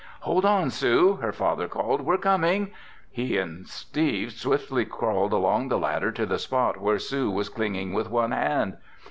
"Hold on, Sue!" her father called. "We're coming!" He and Steve swiftly crawled along the ladder to the spot where Sue was clinging with one hand.